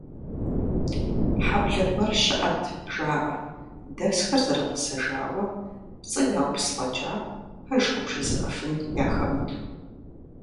Хьэблэ гуэр щыӀэт, жаӀэ, дэсхэр зэрыгъэсэжауэ, пцӀы яупс фӀэкӀа, пэж къыбжезыӀэфын яхэмыту.